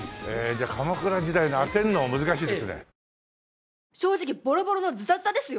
じゃあ鎌倉時代の当てるの難しいですね。